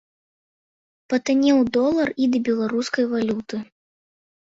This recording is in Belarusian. Патаннеў долар і да беларускай валюты.